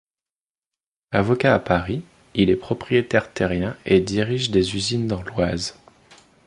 Avocat à Paris, il est propriétaire terrien et dirige des usines dans l'Oise.